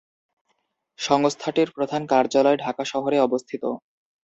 সংস্থাটির প্রধান কার্যালয় ঢাকা শহরে অবস্থিত।